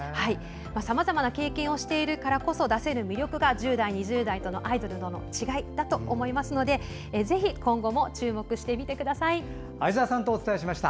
さまざまな経験をしているからこそ出せる魅力が１０代、２０代のアイドルとの違いだと思いますので相沢さんとお伝えしました。